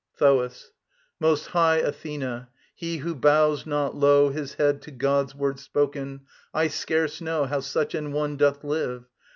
THOAS. Most high Athena, he who bows not low His head to God's word spoken, I scarce know How such an one doth live.